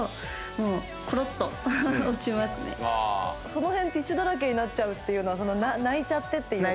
その辺ティッシュだらけになっちゃうっていうのは泣いちゃってっていう。